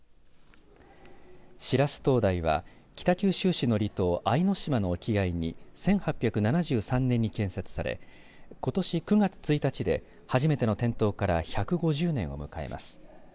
白洲灯台は北九州市の離島藍島の沖合に１８７３年に建設されことし９月１日で初めての点灯から１５０年を迎えます。